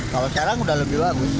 kalau sekarang udah lebih bagus